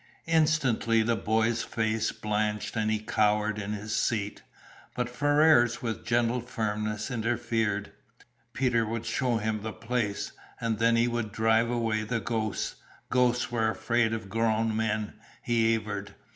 Instantly the boy's face blanched and he cowered in his seat, but Ferrars with gentle firmness interfered. Peter would show him the place, and then he would drive away the ghosts. Ghosts were afraid of grown men, he averred.